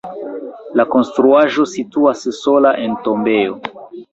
La konstruaĵo situas sola en tombejo.